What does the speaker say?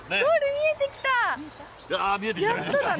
見えてきたね。